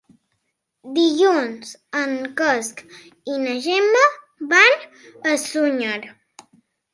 Dilluns en Cesc i na Gemma van a Sunyer.